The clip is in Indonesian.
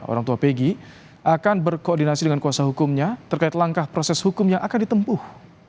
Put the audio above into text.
orang tua pegi akan berkoordinasi dengan kuasa hukumnya terkait langkah proses hukum yang akan ditempuh